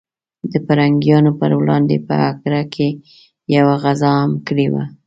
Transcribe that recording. د پرنګیانو پر وړاندې په اګره کې یوه غزا هم کړې وه.